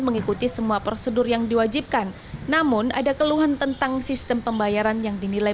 mengikuti semua prosedur yang diwajibkan namun ada keluhan tentang sistem pembayaran yang dinilai